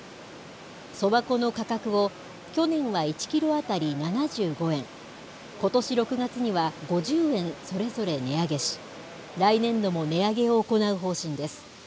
そば粉の価格を、去年は１キロ当たり７５円、ことし６月には５０円、それぞれ値上げし、来年度も値上げを行う方針です。